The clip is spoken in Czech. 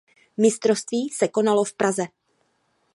Mistrovství se konalo v Praze.